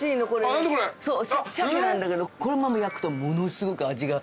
シャケなんだけどこのまま焼くとものすごく味が。